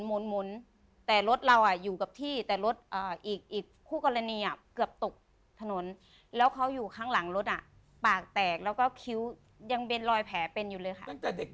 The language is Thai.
แล้วรถเขาก็หมุนแต่รถเราอยู่กับที่แต่รถอีกคู่กรณีคือเกือบตกถนนแล้วเขาอยู่ข้างหลังรถปากแตกแล้วก็คิ้วยังเป็นรอยแผลเป็นอยู่เลยค่ะ